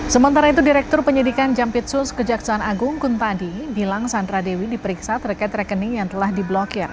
sementara itu direktur penyidikan jampitsus kejaksaan agung kuntadi bilang sandra dewi diperiksa terkait rekening yang telah diblokir